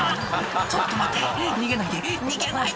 ちょっと待って逃げないで逃げないで」